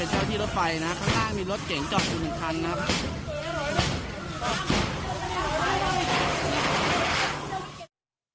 ข้างล่างมีรถเก๋งจอดอยู่ถึงทันนะครับ